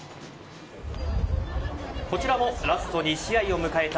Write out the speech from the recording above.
こちらもラスト２試合を迎えた